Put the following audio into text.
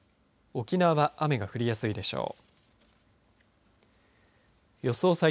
沖縄は雨が降りやすいでしょう。